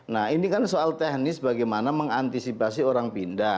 nah ini kan soal teknis bagaimana mengantisipasi orang pindah